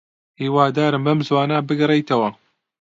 هیوادارم بەم زووانە بگەڕێیتەوە.